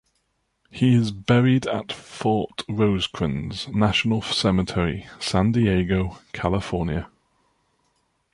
He is buried at Fort Rosecrans National Cemetery, San Diego, California.